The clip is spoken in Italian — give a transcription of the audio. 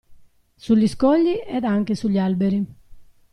Sugli scogli ed anche sugli alberi.